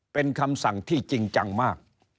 เป็นคำสั่งที่จริงจังมาก